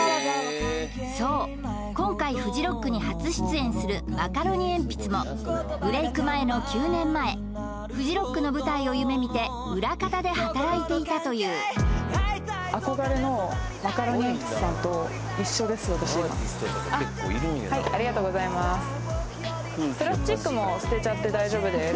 そう今回フジロックに初出演するマカロニえんぴつもブレイク前の９年前フジロックの舞台を夢見て裏方で働いていたというあっはいありがとうございますプラスチックも捨てちゃって大丈夫です